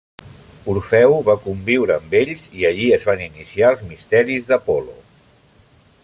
Orfeu va conviure amb ells i allí es van iniciar els misteris d'Apol·lo.